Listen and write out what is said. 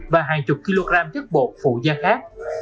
và hàng chục kg chất bột phụ gia khác